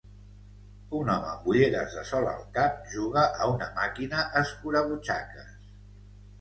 Un home amb ulleres de sol al cap juga a una màquina escurabutxaques.